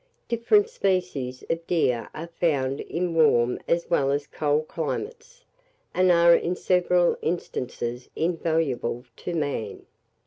Different species of deer are found in warm as well as cold climates, and are in several instances invaluable to man.